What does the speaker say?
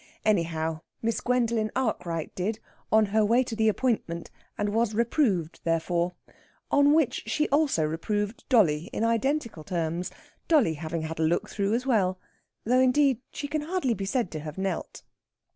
Anyhow, Miss Gwendolen Arkwright did, on her way to the appointment, and was reproved therefore. On which she also reproved dolly in identical terms, dolly having had a look through as well, though, indeed, she can hardly be said to have knelt.